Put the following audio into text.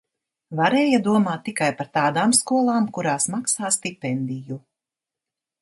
Varēja domāt tikai par tādām skolām, kurās maksā stipendiju.